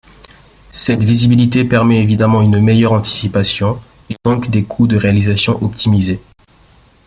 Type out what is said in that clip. Cette visibilité permet évidemment une meilleure anticipation et donc des couts de réalisation optimisés.